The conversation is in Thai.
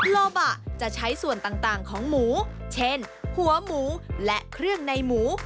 โลบะจะใช้ส่วนต่างของหมูเช่นหัวหมูและเครื่องในหมู